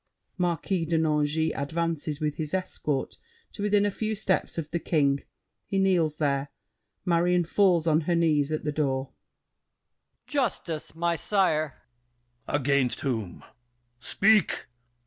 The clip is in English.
Marquis de Nangis advances with his escort to within a few steps of The King; he kneels there. Marion falls on her knees at the door MARQUIS DE NANGIS. Justice, my sire. THE KING. Against whom? Speak!